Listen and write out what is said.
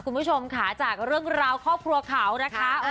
คุณผู้ชมค่ะจากเรื่องราวครอบครัวเขานะคะ